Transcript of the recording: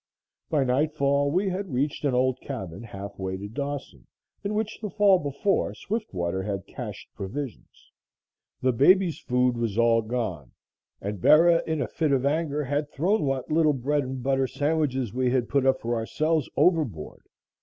By nightfall we had reached an old cabin half way to Dawson, in which the fall before Swiftwater had cached provisions. The baby's food was all gone, and Bera, in a fit of anger, had thrown what little bread and butter sandwiches we had put up for ourselves, overboard.